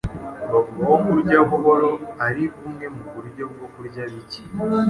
Bavuga ko kurya buhoro ari bumwe mu buryo bwo kurya bike.